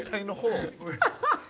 アハハハ！